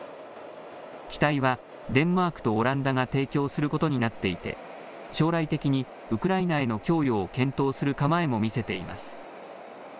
機体はデンマークとオランダが提供することになっていて将来的にウクライナへの供与を検討する構えも見せています。